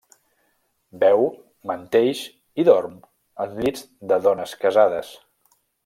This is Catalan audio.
Beu, menteix i dorm en llits de dones casades.